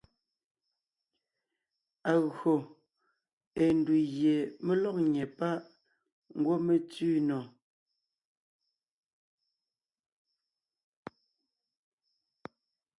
Agÿò ée ndù gie mé lɔ́g nyɛ́ páʼ ngwɔ́ mé tsẅi nò.